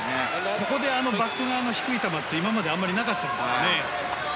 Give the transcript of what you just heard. ここでバック側の低い球って今まであまりなかったですからね。